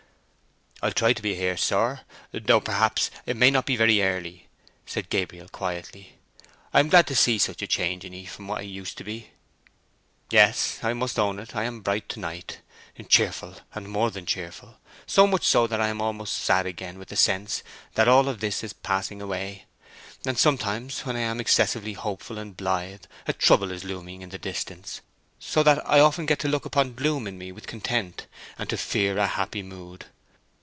"I'll try to be here, sir, though perhaps it may not be very early," said Gabriel, quietly. "I am glad indeed to see such a change in 'ee from what it used to be." "Yes—I must own it—I am bright to night: cheerful and more than cheerful—so much so that I am almost sad again with the sense that all of it is passing away. And sometimes, when I am excessively hopeful and blithe, a trouble is looming in the distance: so that I often get to look upon gloom in me with content, and to fear a happy mood.